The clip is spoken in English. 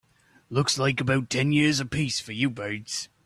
Looks like about ten years a piece for you birds.